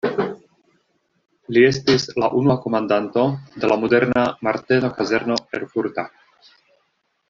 Li estis la unua komandanto de la moderna Marteno-kazerno erfurta.